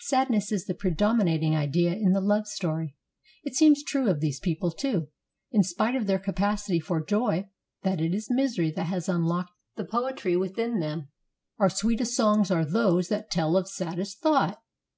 Sadness is the predominating idea in the love story. It seems true of these people too, in spite of their capacity for joy, that it is misery that has unlocked the poetry within them. "Our sweetest songs are those That tell of saddest thought."